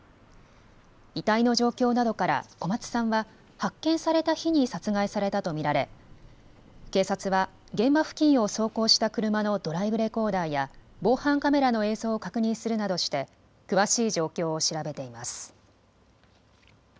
遺体の状況などから小松さんは発見された日に殺害されたと見られ、警察は現場付近を走行した車のドライブレコーダーや防犯カメラの映像を確認するなどして詳しい状況を調べています。